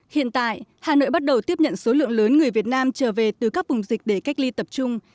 hiện tại hà nội bắt đầu tiếp nhận số lượng lớn người việt nam trở về từ các vùng dịch để cách ly tập trung